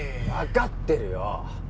分かってるよ